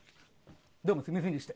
どうもすみませんでした。